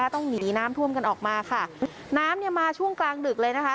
ต้องหนีน้ำท่วมกันออกมาค่ะน้ำเนี่ยมาช่วงกลางดึกเลยนะคะ